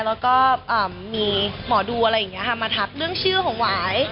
แล้วก็มีหมอดูมาทักเรื่องชื่อของวาย